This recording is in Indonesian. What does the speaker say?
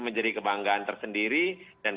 menjadi kebanggaan tersendiri dan